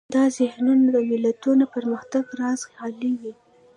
دا ذهنونه د ملتونو پرمختګ رازه خالي وي.